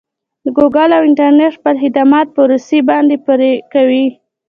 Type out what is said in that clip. ګوګل او انټرنټ خپل خدمات په روسې باندې پري کوي.